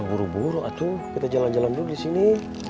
lu buru buru kita jalan jalan dulu disini